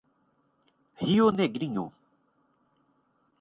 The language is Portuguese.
Rio Negrinho